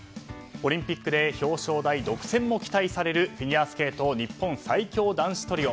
オリンピックで表彰台独占も期待されるフィギュアスケート日本最強男子トリオ。